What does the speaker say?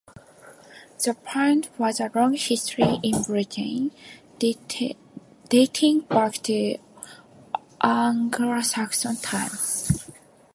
The pound has a long history in Britain, dating back to Anglo-Saxon times.